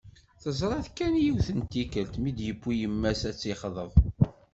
Teẓra-t kan yiwet n tikelt mi d-yiwi yemma-s ad tt-yexḍeb.